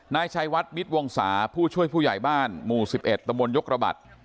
นายชัยวัดมิตวงศาผู้ช่วยผู้ใหญ่บ้านหมู่๑๑ตะมนยกระบัด